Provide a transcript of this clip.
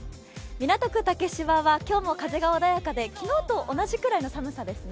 港区竹芝は今日も風が穏やかで昨日と同じくらいの寒さですね。